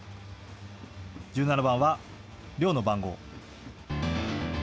１７番は亮の番号。